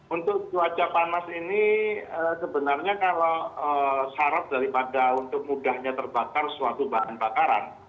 untuk cuaca panas ini sebenarnya kalau syarat daripada untuk mudahnya terbakar suatu bahan bakaran